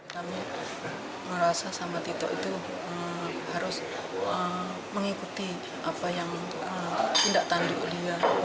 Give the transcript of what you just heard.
kami merasa sama tito itu harus mengikuti apa yang tindakan di ulia